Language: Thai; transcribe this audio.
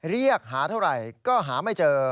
เรียกหาเท่าไหร่ก็หาไม่เจอ